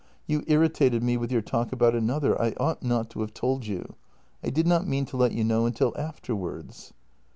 You irritated me with your talk about another. I ought not to have told you. I did not mean to let you know until afterwards."